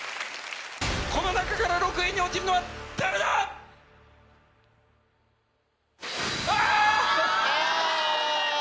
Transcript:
この中から６位に落ちるのは誰だ⁉あ！